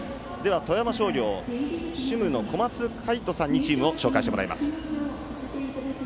富山商業、主務の小松快斗さんにチームを紹介してもらいます。